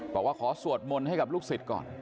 บอกว่าขอสวดมนต์ให้กับลูกศิษย์ก่อน